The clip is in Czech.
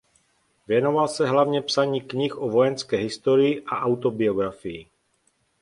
Věnoval se hlavně psaní knih o vojenské historii a autobiografii.